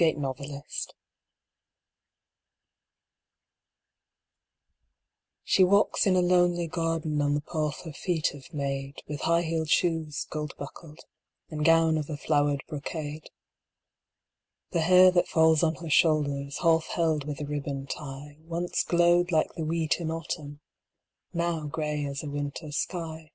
THE OLD MAID She walks in a lonely garden On the path her feet have made, With high heeled shoes, gold buckled, And gown of a flowered brocade; The hair that falls on her shoulders, Half held with a ribbon tie, Once glowed like the wheat in autumn, Now grey as a winter sky.